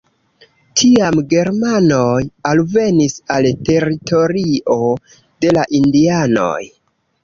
Tiam germanoj alvenis al teritorio de la indianoj.